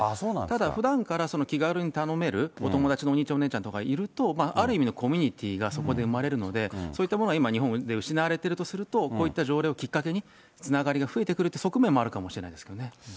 ただ、ふだんから気軽に頼める友達のお兄ちゃん、お姉ちゃんがいると、ある意味のコミュニティーがそこで生まれるので、そういったものが今、日本で失われてるとすると、こういった条例をきっかけに、つながりが増えてくるという側面もあるかもしれないですけどね。